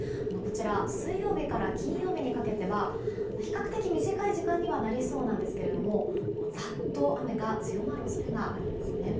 水曜日から金曜日にかけては比較的、短い時間にはなりそうなんですけどもざっと、雨が強まる恐れがあるんですね。